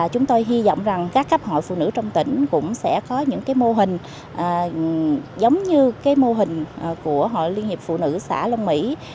chúng tôi hy vọng rằng các cấp hội phụ nữ trong tỉnh cũng sẽ có những mô hình giống như mô hình của hội liên hiệp phụ nữ xã long mỹ